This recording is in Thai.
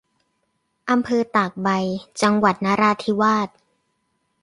อำเภอตากใบ - จังหวัดนราธิวาส